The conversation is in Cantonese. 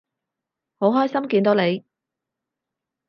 好開心見到你